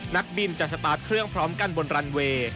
นักบินจะสตาร์ทเครื่องพร้อมกันบนรันเวย์